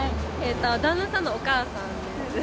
旦那さんのお母さんです。